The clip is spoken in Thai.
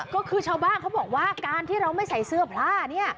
ก็คือชาวบ้านเขาบอกว่าการที่เราไม่ใส่เสื้อผ้าเนี่ย